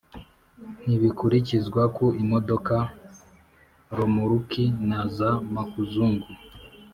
Ntibikurikizwa ku imodoka, romoruki na za makuzungu